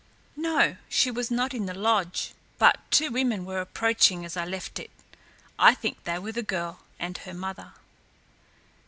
"No, she was not in the lodge, but two women were approaching as I left it. I think they were the girl and her mother."